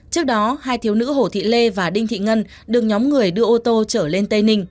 trước đó hai thiếu nữ hồ thị lê và đinh thị ngân được nhóm người đưa ô tô trở lên tây ninh